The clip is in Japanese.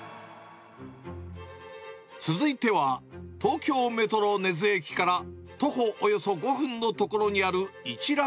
続いては、東京メトロ根津駅から徒歩およそ５分の所にある、一卵亭。